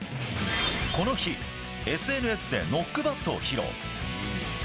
この日、ＳＮＳでノックバットを披露。